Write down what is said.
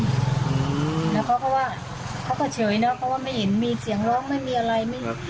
แล้วเขาก็เฉยนะเพราะว่าไม่เห็นมีเสียงร้องไม่มีอะไร